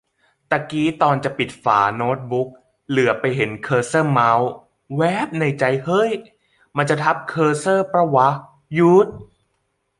ตะกี้ตอนจะปิดฝาโน๊ตบุ๊ก เหลือบไปเห็นเคอร์เซอร์เมาส์ แว๊บในใจ เฮ้ย มันจะทับเคอร์เซอร์ป่าววะ หยู๊ดดด